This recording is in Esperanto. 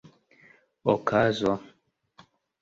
okazo